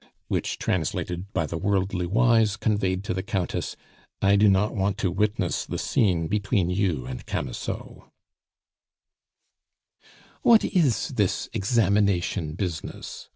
Which, translated by the worldly wise, conveyed to the Countess: "I do not want to witness the scene between you and Camusot." "What is this examination business?"